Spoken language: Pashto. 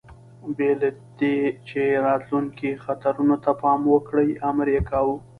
بې له دې، چې راتلونکو خطرونو ته پام وکړي، امر یې کاوه.